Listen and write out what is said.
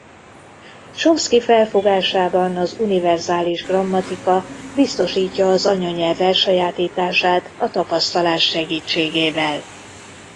Chomsky felfogásában az univerzális grammatika biztosítja az anyanyelv elsajátítását a tapasztalás segítségével.